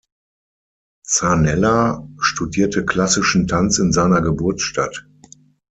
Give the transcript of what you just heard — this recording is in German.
Zanella studierte klassischen Tanz in seiner Geburtsstadt.